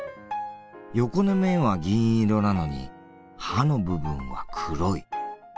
横の面は銀色なのに刃の部分は黒い。